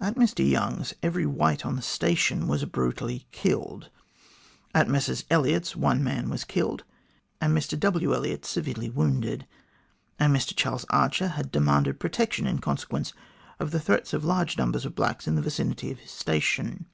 At Mr Young's, every white on the station was brutally killed ; at Messrs Elliot's one man was killed, and Mr W. Elliot severely wounded ; and Mr Charles Archer had demanded protection in conse quence of the threats of large numbers of blacks in the vicinity of his station.